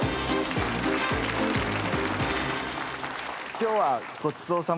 今日はごちそうさまでした。